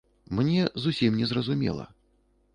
Мне зусім не зразумела.